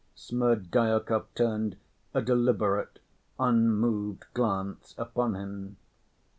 Smerdyakov turned a deliberate, unmoved glance upon him.